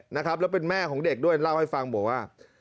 นะครับแล้วเป็นแม่ของเด็กด้วยเล่าให้ฟังบอกว่า